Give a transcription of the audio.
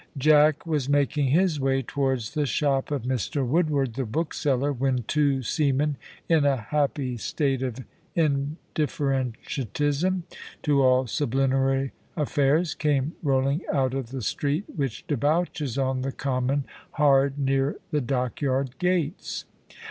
Jack was making his way towards the shop of Mr Woodward the bookseller, when two seamen in a happy state of indifferentism to all sublunary affairs came rolling out of the street which debouches on the Common Hard near the Dockyard gates.